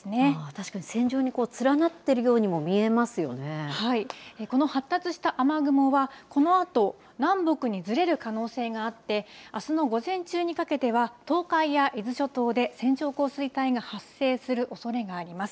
確かに線状に連なこの発達した雨雲は、このあと南北にずれる可能性があって、あすの午前中にかけては、東海や伊豆諸島で線状降水帯が発生するおそれがあります。